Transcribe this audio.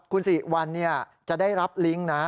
คุณสิริวัลจะได้รับลิงก์นะ